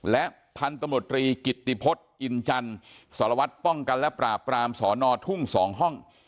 และพันธมตรีกิตติพฤษอินจันทร์สารวัตรป้องกันและปราบปรามสอนอทุ่ง๒ห้อง